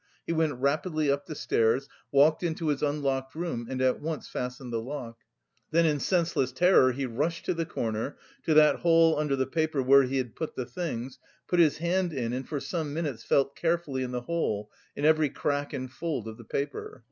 He went rapidly up the stairs, walked into his unlocked room and at once fastened the latch. Then in senseless terror he rushed to the corner, to that hole under the paper where he had put the things; put his hand in, and for some minutes felt carefully in the hole, in every crack and fold of the paper.